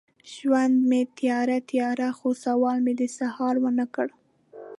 ژوند مې تیاره، تیاره، خو سوال مې د سهار ونه کړ